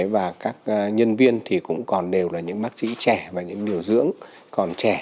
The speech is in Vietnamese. và các nhân viên thì cũng còn đều là những bác sĩ trẻ và những điều dưỡng còn trẻ